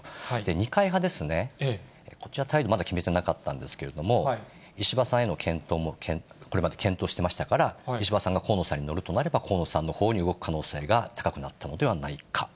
二階派ですね、こちら、態度まだ決めてなかったんですけれども、石破さんへの検討も、これまで検討していましたから、石破さんが河野さんに乗るとなれば、河野さんのほうに動く可能性が高くなったのではないか。